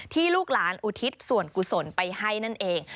ลูกหลานอุทิศส่วนกุศลไปให้นั่นเอง